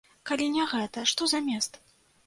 Калі не гэта, што замест?